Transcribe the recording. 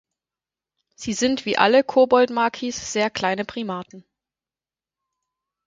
Sie sind wie alle Koboldmakis sehr kleine Primaten.